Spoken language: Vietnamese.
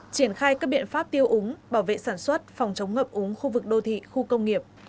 triển khai các biện pháp tiêu úng bảo vệ sản xuất phòng chống ngập úng khu vực đô thị khu công nghiệp